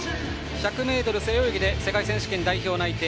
１００ｍ背泳ぎで世界選手権代表内定。